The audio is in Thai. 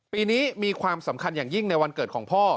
มีความสำคัญอย่างยิ่งในวันเกิดของพ่อ